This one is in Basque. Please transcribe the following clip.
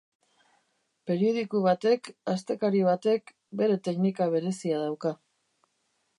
Periodiku batek, astekari batek, bere teknika berezia dauka.